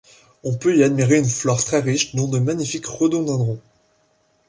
On peut y admirer une flore très riche, dont de magnifiques rhododendrons.